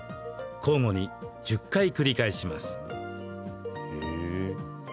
交互に１０回繰り返します。